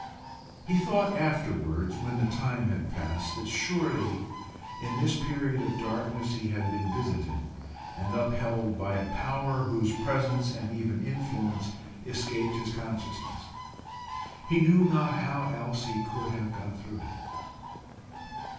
He thought afterwards, when the time had passed, that surely in this period of darkness he had been visited and upheld by a power whose presence and even influence escaped his consciousness. He knew not how else he could have got through it.